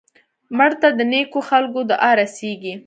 مړه ته د نیکو خلکو دعا رسېږي